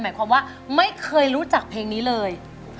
หมายความว่าไม่เคยรู้จักเพลงนี้เลย